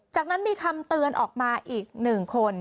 จากนั้นมีคำตัวออกมาอีกหนึ่งคน